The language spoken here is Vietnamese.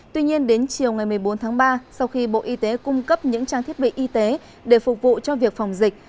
tuy nhiên đến chiều ngày một mươi bốn tháng ba sau khi bộ y tế cung cấp những trang thiết bị y tế để phục vụ cho việc phòng dịch